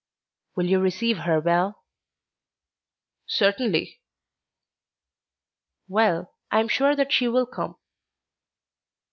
"Will you receive her well?" "Certainly." "Well, I am sure that she will come."